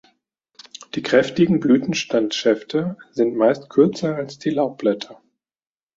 Die kräftigen Blütenstandsschäfte sind meist kürzer als die Laubblätter.